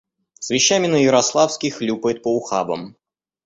С вещами на Ярославский хлюпает по ухабам.